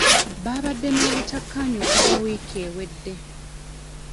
Babadde n'obutakkaanya okuva wiiki ewedde.